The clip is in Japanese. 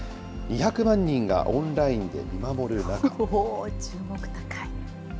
２００万人がオンラインで見守る中。